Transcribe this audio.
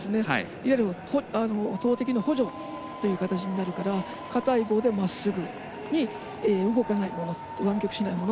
いわゆる、投てきの補助っていう形になるから硬い棒でまっすぐに動かないもの。